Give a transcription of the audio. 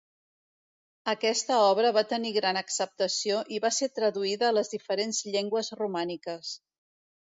Aquesta obra va tenir gran acceptació i va ser traduïda a les diferents llengües romàniques.